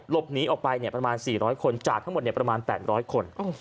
หลบหนีออกไปประมาณ๔๐๐คนจากทั้งหมดประมาณ๘๐๐คน